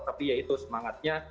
tapi ya itu semangatnya